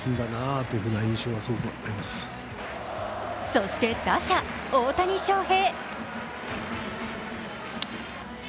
そして打者・大谷翔平。